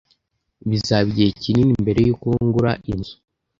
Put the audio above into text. Bizaba igihe kinini mbere yuko ngura inzu.